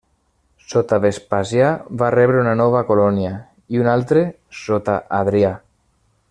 Sota Vespasià va rebre una nova colònia i un altre sota Adrià.